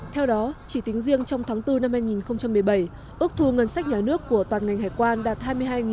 theo đó chỉ tính riêng trong tháng bốn năm hai nghìn một mươi bảy ước thu ngân sách nhà nước của toàn ngành hải quan đạt hai mươi hai năm trăm linh tỷ đồng